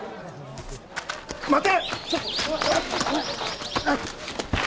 待て！